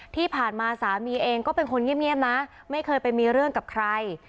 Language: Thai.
ที่ผ่านมาสามีเองก็เป็นคนเงียบนะไม่เคยไปมีเรื่องกับใคร